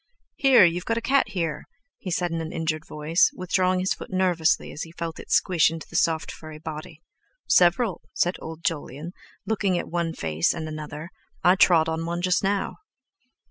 "Here, you've got a cat here," he said in an injured voice, withdrawing his foot nervously as he felt it squeezing into the soft, furry body. "Several," said old Jolyon, looking at one face and another; "I trod on one just now."